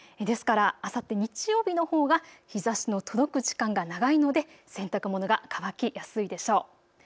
ですから、あさって日曜日のほうが日ざしの届く時間が長いので洗濯物が乾きやすいでしょう。